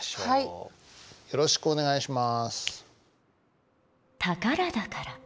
よろしくお願いします。